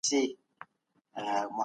حق تل په رښتیني بڼه ښکاره کېږي.